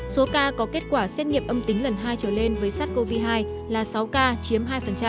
số ca có kết quả xét nghiệm âm tính lần hai trở lên với sars cov hai là sáu ca chiếm hai